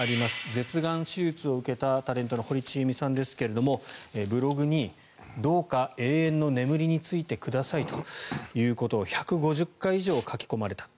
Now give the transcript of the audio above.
舌がん手術を受けたタレントの堀ちえみさんですがブログに、どうか永遠の眠りに就いてくださいということを１５０回以上書き込まれた。